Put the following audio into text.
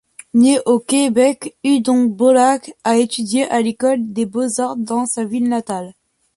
Née à Québec, Hudon-Beaulac a étudié à l'École des Beaux-Arts dans sa ville natale.